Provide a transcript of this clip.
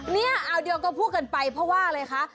เนี่ยเอาเดียวก็พูดกันไปเพราะว่าอะไรคะ